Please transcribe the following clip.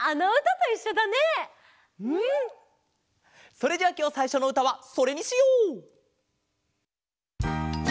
それじゃあきょうさいしょのうたはそれにしよう！